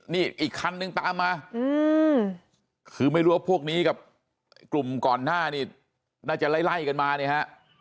นี่อีกคันนึงตามมาคือไม่รู้ว่าพวกนี้กับกลุ่มก่อนหน้านี้น่าจะไล่กันมาเนี่ยฮะ